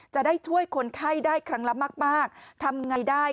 จะได้ช่วยคนไข้ได้ครั้งละมากทำไงได้